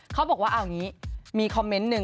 เขาบอกว่าเอาอย่างนี้มีคอมเมนต์หนึ่ง